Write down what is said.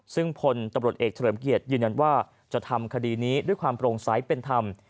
ซึ่งพลตำรวจเอกเฉลิมเกียรติยืนยันว่าจะทำคดีนี้ด้วยความโปร่งใสเป็นธรรม